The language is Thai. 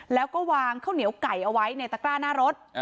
แล้วก็วางข้าวเหนียวไก่เอาไว้ในตะกร้าหน้ารถ